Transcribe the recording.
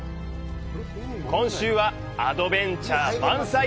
今週はアドベンチャー満載！